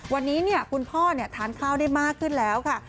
วันนี้คุณพ่อทานข้าวได้มากขึ้นแล้วค่ะ